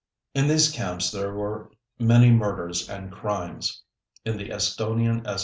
In these camps there were many murders and crimes. In the Estonian S.